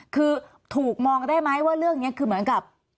คือถูกมองได้ไหมว่าเรื่องนี้คือเหมือนกับ